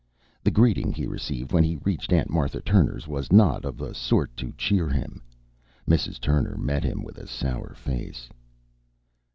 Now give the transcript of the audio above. The greeting he received when he reached Aunt Martha Turner's was not of a sort to cheer him. Mrs. Turner met him with a sour face.